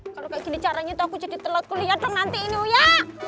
kalau gini caranya tahu jadi telat kuliah dengan ini ya